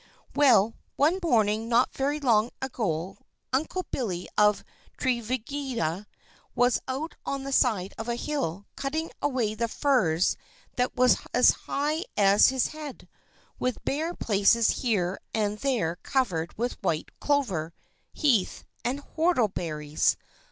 Well, one morning not very long ago Uncle Billy of Trevidga was out on the side of a hill, cutting away the furze that was as high as his head, with bare places here and there covered with white clover, heath, and whortleberries.